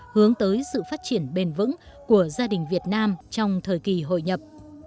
hướng tới sự phát triển bền vững của gia đình việt nam trong thời kỳ hội nhập